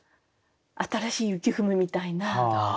新しい雪踏むみたいな。